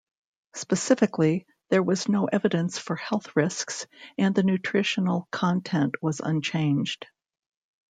Specifically, there was no evidence for health risks, and the nutritional content was unchanged.